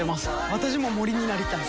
私も森になりたい。